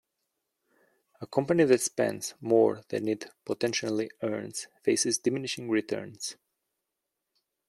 A company that spends more than it potentially earns faces diminishing returns.